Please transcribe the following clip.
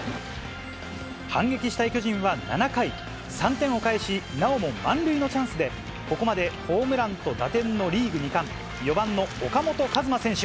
反撃したい巨人は７回、３点を返し、なおも満塁のチャンスでここまでホームランと打点のリーグ２冠、４番の岡本和真選手。